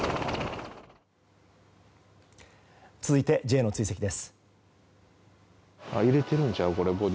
続いて、Ｊの追跡です。